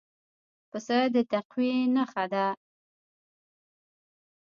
پسه د تقوی نښه ده.